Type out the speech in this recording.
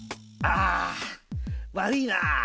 あ悪いな。